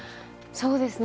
そうですね。